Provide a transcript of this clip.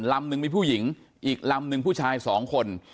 ลำหนึ่งมีผู้หญิงอีกลำหนึ่งผู้ชายสองคน